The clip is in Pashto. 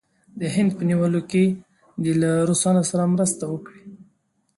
د هند په نیولو کې دې له روسانو سره مرسته وکړي.